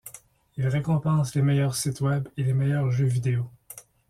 Ils récompensent les meilleurs sites web et les meilleurs jeux vidéo.